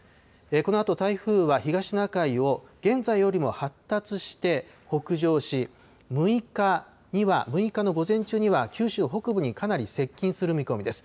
このあと、台風は東シナ海を、現在よりも発達して北上し、６日の午前中には九州北部にかなり接近する見込みです。